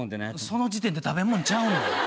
その時点で食べ物ちゃうねん。